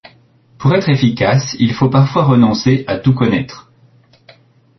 Pour être efficace, il faut parfois renoncer à tout connaître.